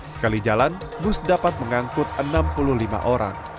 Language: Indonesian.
sekali jalan bus dapat mengangkut enam puluh lima orang